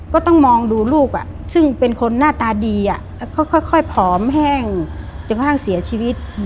ก็ต้องมองดูลูกซึ่งเป็นคนหน้าตาดีแล้วค่อยผอมแห้งจนกระทั่งเสียชีวิต